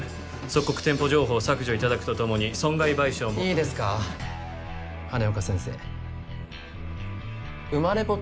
即刻店舗情報を削除いただくとともに損害賠償もいいですか羽根岡先生ウマレポ